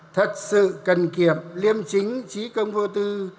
thật sự cần kiệm liêm chính trí công vô tư